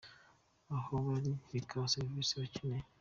aho bari ikabaha serivisi bakeneye.